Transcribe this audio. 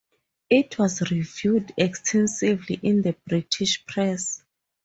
It was reviewed extensively in the British press.